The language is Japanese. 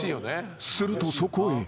［するとそこへ］